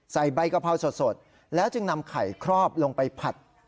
ใบกะเพราสดแล้วจึงนำไข่ครอบลงไปผัด